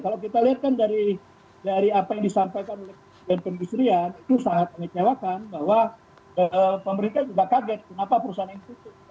kalau kita lihat kan dari apa yang disampaikan oleh presiden itu sangat mengecewakan bahwa pemerintah juga kaget kenapa perusahaan ini tutup